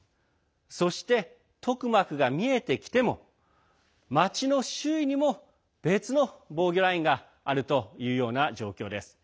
そして、トクマクが見えてきても町の周囲にも別の防御ラインがあるというような状況です。